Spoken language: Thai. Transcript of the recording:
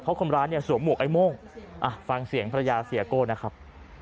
เพราะคนร้ายเนี่ยสวมหวกไอ้โม่งฟังเสียงภรรยาเสียโก้นะครับ